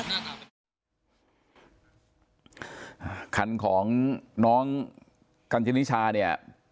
คันของน้องกัญชนิชาเนี่ย